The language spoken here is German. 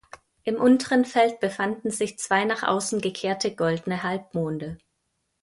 Im unteren Feld befanden sich zwei nach außen gekehrte goldene Halbmonde.